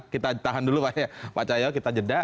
kita tahan dulu pak pak cahayao kita jeda